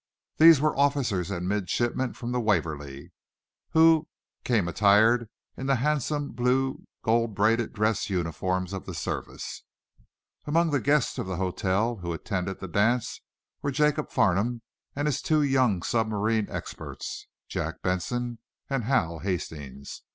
These were officers and midshipmen from the "Waverly," who came attired in the handsome blue, gold braided dress uniforms of the service. Among the guests of the hotel who attended the dance were Jacob Farnum and his two young submarine experts; Jack Benson and Hal Hastings.